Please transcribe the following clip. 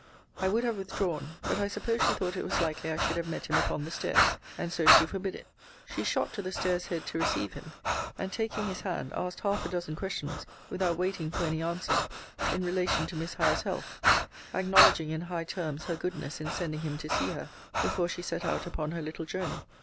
I would have withdrawn; but I supposed she thought it was likely I should have met him upon the stairs; and so she forbid it. She shot to the stairs head to receive him, and, taking his hand, asked half a dozen questions (without waiting for any answer) in relation to Miss Howe's health; acknowledging, in high terms, her goodness in sending him to see her, before she set out upon her little journey.